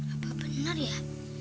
apa benar ya